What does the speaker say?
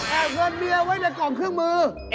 เงินเมียไว้ในกล่องเครื่องมือ